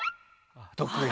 得意？